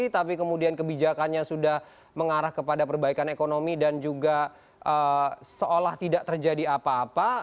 tapi kemudian kebijakannya sudah mengarah kepada perbaikan ekonomi dan juga seolah tidak terjadi apa apa